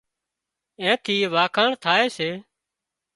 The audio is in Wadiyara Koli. اين ٿي اوۯکاڻ ٿائي سي